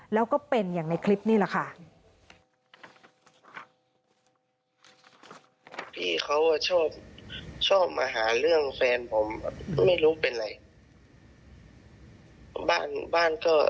แล้วก็เป็นอย่างในคลิปนี่แหละค่ะ